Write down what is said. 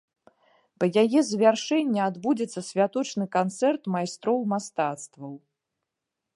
Па яе завяршэнні адбудзецца святочны канцэрт майстроў мастацтваў.